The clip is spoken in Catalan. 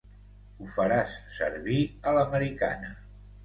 Ho faràs servir a l'americana.